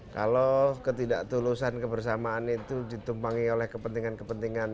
kalau ketidaktulusan kebersamaan itu ditumpangi oleh kepentingan kepentingan